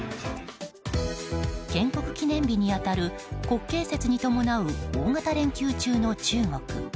建国記念日に当たる国慶節に伴う大型連休中の中国。